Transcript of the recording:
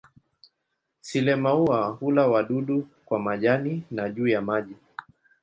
Sile-maua hula wadudu kwa majani na juu ya maji.